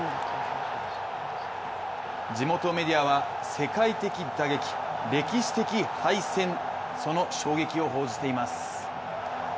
地元メディアは、世界的打撃、歴史的敗戦。その衝撃を報じています。